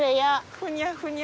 ふにゃふにゃ。